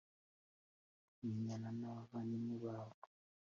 kumenyana n’abavandimwe babo.